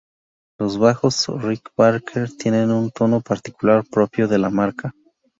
Los bajos Rickenbacker tienen un tono particular, propio de la marca.